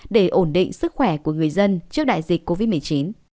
để ổn định sức khỏe của người dân trước đại dịch covid một mươi chín